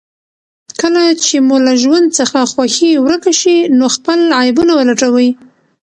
کله چې مو له ژوند څخه خوښي ورکه شي، نو خپل عيبونه ولټوئ.